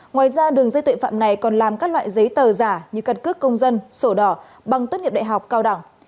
ngoài ra đường dây tội phạm này còn làm các loại giấy tờ giả như căn cước công dân sổ đỏ bằng tất nghiệp đại học cao đẳng